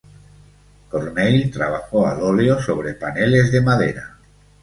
Corneille trabajó al óleo sobre paneles de madera.